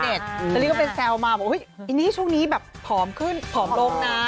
ฮือหรือก็ไปแซวมาว่าอินดี้ช่วงนี้แบบผอมขึ้นผอมลงนะ